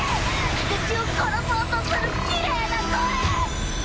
私を殺そうとするきれいな声！